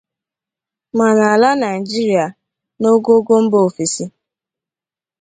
ma n'ala Nigeria na n'ogoogo mba ofesi